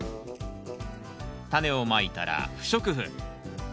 タネをまいたら不織布。